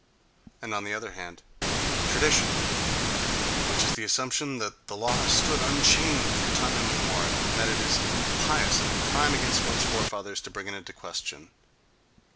and on the other hand, tradition, which is the assumption that the law has stood unchanged from time immemorial, and that it is impious and a crime against one's forefathers to bring it into question.